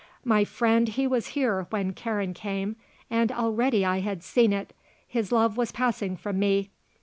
My friend, he was here when Karen came, and, already I had seen it, his love was passing from me.